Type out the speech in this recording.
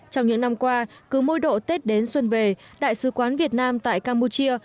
trong những năm qua cứ mỗi độ tết đến xuân về đại sứ quán việt nam tại campuchia